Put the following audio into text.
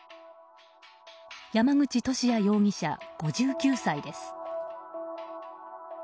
山口利家容疑者、５９歳です。